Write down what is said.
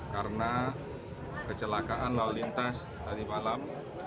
karena kecelakaan lalu lintas tadi malam